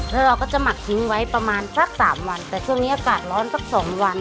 แล้วเราก็จะหมักทิ้งไว้ประมาณสักสามวันแต่ช่วงนี้อากาศร้อนสักสองวัน